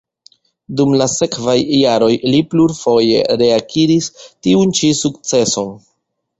Dum la sekvaj jaroj li plurfoje reakiris tiun ĉi sukceson.